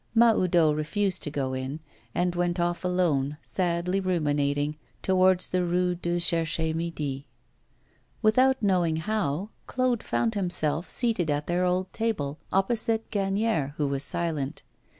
Mahoudeau refused to go in, and went off alone, sadly ruminating, towards the Rue du Cherche Midi. Without knowing how, Claude found himself seated at their old table, opposite Gagnière, who was silent.